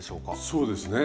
そうですね。